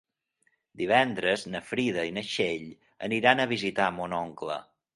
Divendres na Frida i na Txell aniran a visitar mon oncle.